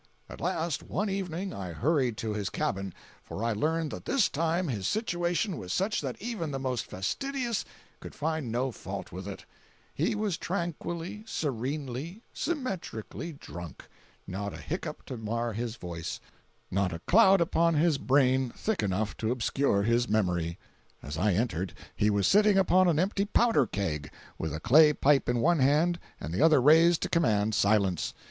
At last, one evening I hurried to his cabin, for I learned that this time his situation was such that even the most fastidious could find no fault with it—he was tranquilly, serenely, symmetrically drunk—not a hiccup to mar his voice, not a cloud upon his brain thick enough to obscure his memory. As I entered, he was sitting upon an empty powder keg, with a clay pipe in one hand and the other raised to command silence.